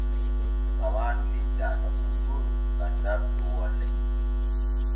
Rawaanu lildaa to hootooru gam dartot wolle.